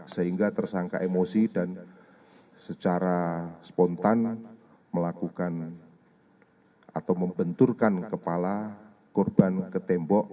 sehingga tersangka emosi dan secara spontan melakukan atau membenturkan kepala korban ke tembok